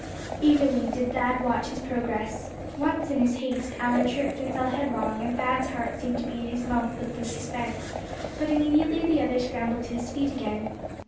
Eagerly did Thad watch his progress. Once, in his haste, Allan tripped and fell headlong; and Thad's heart seemed to be in his mouth with the suspense; but immediately the other scrambled to his feet again.